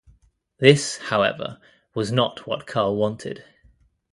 This, however, was not what Carl wanted.